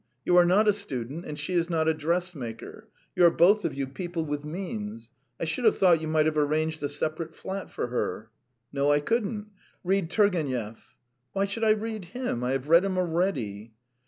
You are not a student and she is not a dressmaker. You are both of you people with means. I should have thought you might have arranged a separate flat for her." "No, I couldn't. Read Turgenev." "Why should I read him? I have read him already."